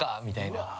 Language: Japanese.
みたいな。